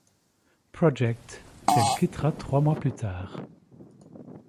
Project, qu'elle quittera trois mois plus tard.